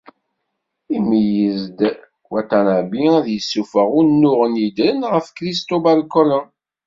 Imeyyez-d Watanabe ad d-yessufeɣ unuɣen yeddren ɣef Cristóbal Colón